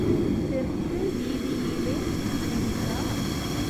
தெற்கு வீதியிலே இருக்கா.